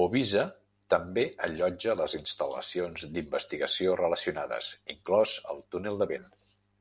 Bovisa també allotja les instal·lacions d'investigació relacionades, inclòs el túnel de vent.